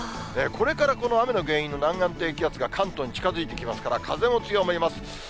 これからこの雨の原因の南岸低気圧が関東に近づいてきますから、風も強まります。